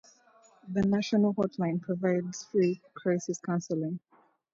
The national hotline provides free crisis counseling.